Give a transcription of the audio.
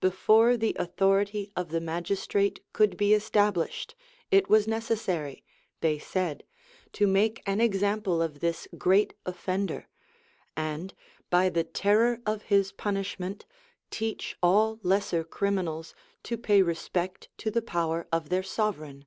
Before the authority of the magistrate could be established, it was necessary, they said, to make an example of this great offender; and, by the terror of his punishment, teach all lesser criminals to pay respect to the power of their sovereign.